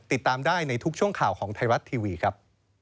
ติดตามได้ในทุกช่วงข่าวของไทยรัฐทีวีครับ